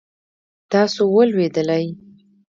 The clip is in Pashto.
تاسو ولوېدلئ؟